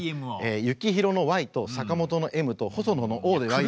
幸宏のＹと坂本のＭと細野のＯでＹＭＯ。